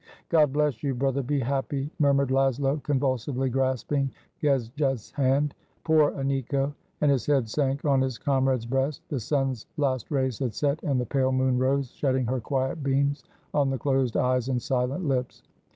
"God bless you, brother — be happy!" murmured Laszlo, convulsively grasping Gejza's hand; "poor Aniko!" — and his head sank on his comrade's breast. The sun's last rays had set, and the pale moon rose, shedding her quiet beams on the closed eyes and silent lips!